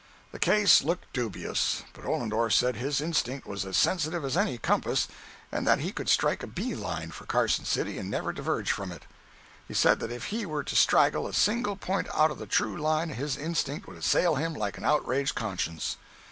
The case looked dubious, but Ollendorff said his instinct was as sensitive as any compass, and that he could "strike a bee line" for Carson city and never diverge from it. He said that if he were to straggle a single point out of the true line his instinct would assail him like an outraged conscience.